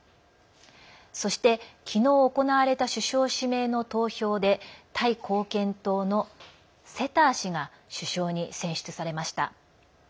そして、昨日行われた首相指名の投票でタイ貢献党のセター氏が首相に選出されました。